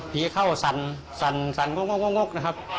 ผีเข้าสั่นสั่นสั่นงกงกงกงกงกงกงกงกงกงกงกงก